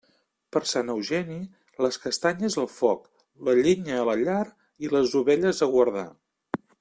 Per Sant Eugeni, les castanyes al foc, la llenya a la llar i les ovelles a guardar.